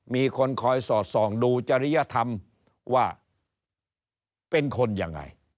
มีคนคอยสอดส่องดูจริยธรรมว่าเป็นคนยังไง